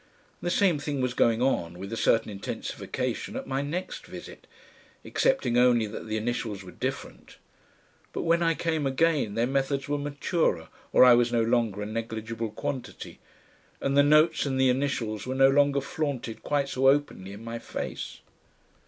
The same thing was going on, with a certain intensification, at my next visit, excepting only that the initials were different. But when I came again their methods were maturer or I was no longer a negligible quantity, and the notes and the initials were no longer flaunted quite so openly in my face.